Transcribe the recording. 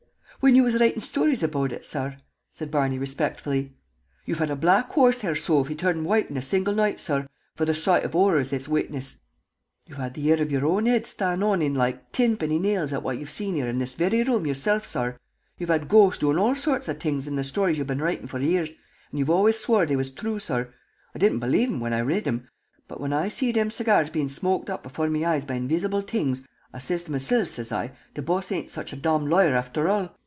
"Whin you was writin' shtories about ut, sorr," said Barney, respectfully. "You've had a black horse hair sofy turn white in a single noight, sorr, for the soight of horror ut's witnessed. You've had the hair of your own head shtand on ind loike tinpenny nails at what you've seen here in this very room, yourself, sorr. You've had ghosts doin' all sorts of t'ings in the shtories you've been writin' for years, and you've always swore they was thrue, sorr. I didn't believe 'em when I read 'em, but whin I see thim segyars bein' shmoked up before me eyes by invishible t'ings, I sez to meself, sez I, the boss ain't such a dommed loiar afther all.